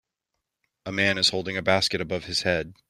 A man is holding a basket above his head.